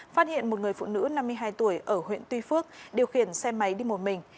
phát hiện một người phụ nữ năm mươi hai tuổi ở huyện tuy phước điều khiển xe máy đi một mình